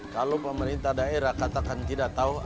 kalau pemerintah daerah katakan tidak tahu